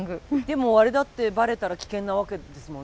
でもあれだってバレたら危険なわけですもんね。